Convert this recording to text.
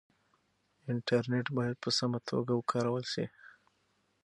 انټرنټ بايد په سمه توګه وکارول شي.